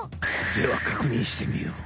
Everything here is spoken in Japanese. ではかくにんしてみよう。